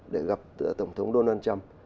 để gặp tổng thống donald trump